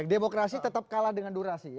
demokrasi tetap kalah dengan durasi